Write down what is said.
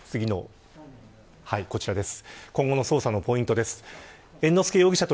こちらです。